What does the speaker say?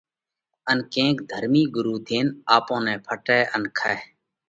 ان ڪيونڪ ڌرمِي ڳرُو ٿينَ آپون نئہ ڦٽئه ان کائه۔